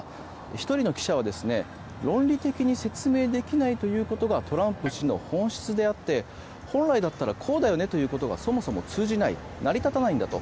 １人の記者は論理的に説明できないということがトランプ氏の本質であって本来だったらこうだよねということがそもそも通じない成り立たないんだと。